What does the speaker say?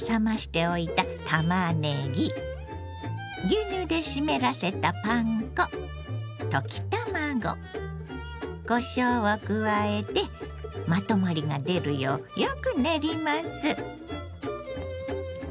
牛乳で湿らせたパン粉溶き卵こしょうを加えてまとまりが出るようよく練ります。